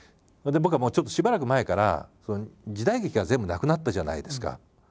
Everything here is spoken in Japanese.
それで僕はちょっとしばらく前から時代劇が全部なくなったじゃないですか。